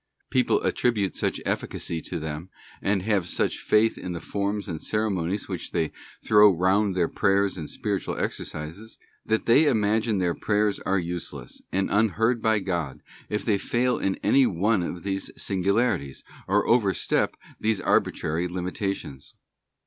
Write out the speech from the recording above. People attri bute such efficacy to them; and have such faith in the forms and ceremonies which they throw round their prayers and spiritual exercises, that they imagine their prayers are useless, and unheard by God, if they fail in any one of these singu larities, or overstep these arbitrary limitations.